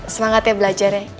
semangat ya belajarnya